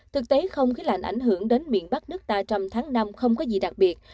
thực tế không khí lạnh ảnh hưởng đến miền bắc nước ta trong tháng năm không có gì đặc biệt